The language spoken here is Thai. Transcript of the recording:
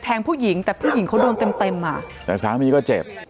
แต่สามีก็เจ็บ